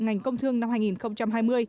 ngành công thương năm hai nghìn hai mươi